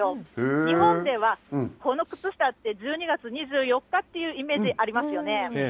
日本ではこの靴下って、１２月２４日っていうイメージありますよね。